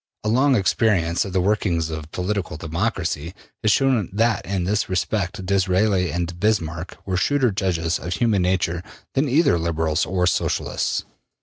A long experience of the workings of political democracy has shown that in this respect Disraeli and Bismarck were shrewder judges of human nature than either Liberals or Socialists.